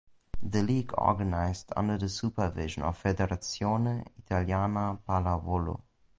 The league organized under the supervision of Federazione Italiana Pallavolo.